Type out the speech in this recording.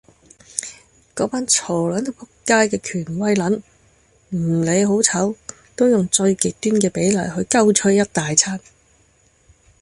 嗰班嘈撚到仆街嘅權威撚，唔理好醜，都用最極端嘅比較去鳩吹一大餐。